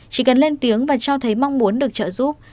chỉ cần lên tiếng và cho thấy mong muốn được trợ giúp